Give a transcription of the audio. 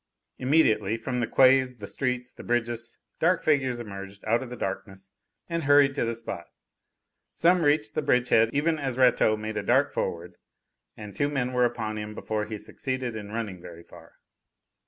Immediately, from the quays, the streets, the bridges, dark figures emerged out of the darkness and hurried to the spot. Some reached the bridgehead even as Rateau made a dart forward, and two men were upon him before he succeeded in running very far.